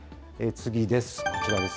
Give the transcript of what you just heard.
次です。